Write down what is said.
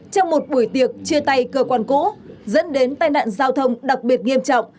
trong một buổi tiệc chia tay cơ quan cũ dẫn đến tai nạn giao thông đặc biệt nghiêm trọng